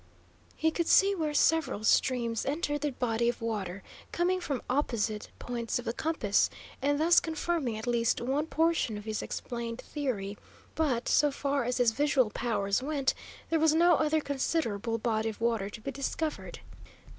He could see where several streams entered the body of water, coming from opposite points of the compass, and thus confirming at least one portion of his explained theory; but, so far as his visual powers went, there was no other considerable body of water to be discovered.